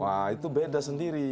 wah itu beda sendiri